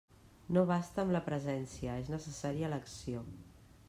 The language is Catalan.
No basta amb la presència, és necessària l'acció.